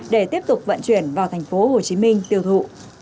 để tiếp tục vận chuyển vào thành phố hồ chí minh tiêu thụ